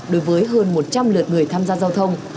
đối với hơn một trăm linh lượt người tham gia giao thông